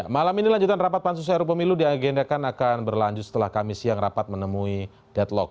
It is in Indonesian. malam ini lanjutan rapat pansus seru pemilu diagendakan akan berlanjut setelah kami siang rapat menemui deadlock